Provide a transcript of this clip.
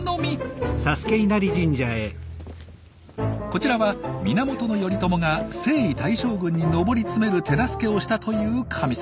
こちらは源頼朝が征夷大将軍に上り詰める手助けをしたという神様。